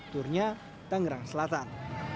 turnya tangerang selatan